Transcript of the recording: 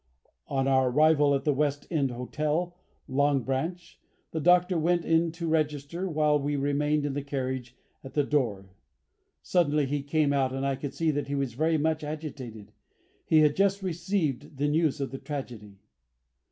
On our arrival at the West End Hotel, Long Branch, the Doctor went in to register while we remained in the carriage at the door. Suddenly he came out, and I could see that he was very much agitated. He had just received the news of the tragedy.